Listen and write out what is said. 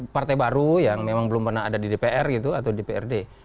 partai baru yang memang belum pernah ada di dpr gitu atau dprd